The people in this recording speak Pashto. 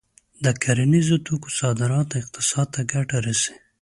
د کرنیزو توکو صادرات اقتصاد ته ګټه رسوي.